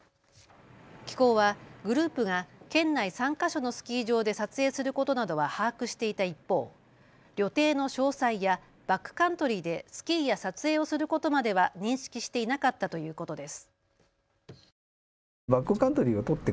機構はグループが県内３か所のスキー場で撮影することなどは把握していた一方、旅程の詳細やバックカントリーでスキーや撮影をすることまでは認識していなかったということです。